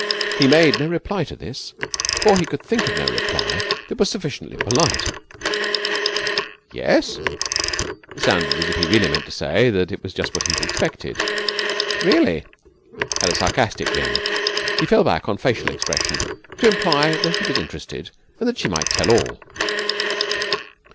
He made no reply to this for he could think of no reply that was sufficiently polite. 'Yes?' sounded as if he meant to say that that was just what he had expected. 'Really?' had a sarcastic ring. He fell back on facial expression, to imply that he was interested and that she might tell all.